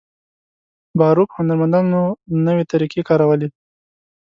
باروک هنرمندانو نوې طریقې کارولې.